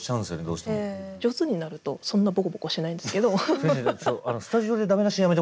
上手になるとそんなボコボコしないんですけど。